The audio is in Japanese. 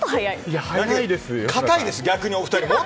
硬いです、逆にお二人。